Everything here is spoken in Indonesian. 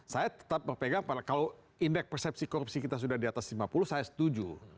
saya tetap berpegang pada kalau indeks persepsi korupsi kita sudah di atas lima puluh saya setuju